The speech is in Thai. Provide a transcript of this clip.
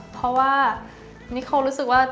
เพราะว่านิโครู้สึกว่า